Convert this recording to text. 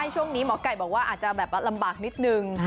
ช่วงนี้หมอไก่บอกว่าอาจจะแบบลำบากนิดนึง